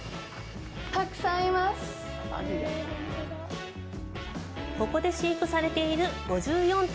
たくさんいます。